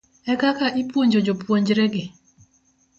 ere kaka ipuonjo jopuonjregi?